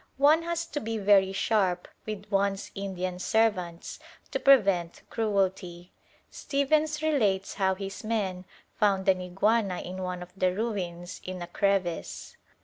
One has to be very sharp with one's Indian servants to prevent cruelty. Stephens relates how his men found an iguana in one of the ruins in a crevice.